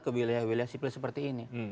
ke wilayah wilayah sipil seperti ini